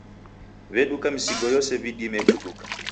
W'eduka misigo yose w'idimie kuduka.